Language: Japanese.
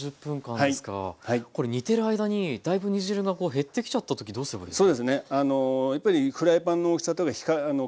これ煮てる間にだいぶ煮汁が減ってきちゃった時どうすればいいですか？